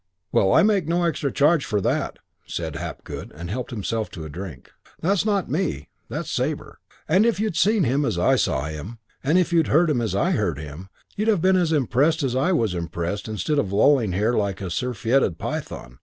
'" IV "Well, I make no extra charge for that (said Hapgood, and helped himself to a drink). That's not me. That's Sabre. And if you'd seen him as I saw him, and if you'd heard him as I heard him, you'd have been as impressed as I was impressed instead of lolling there like a surfeited python.